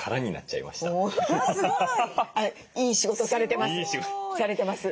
いい仕事されてます。